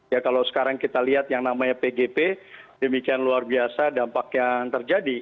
ya kalau sekarang kita lihat yang namanya pgp demikian luar biasa dampak yang terjadi